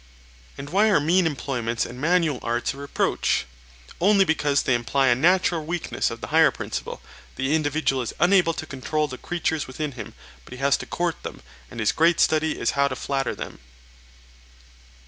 And why are mean employments and manual arts a reproach? Only because they imply a natural weakness of the higher principle; the individual is unable to control the creatures within him, but has to court them, and his great study is how to flatter them.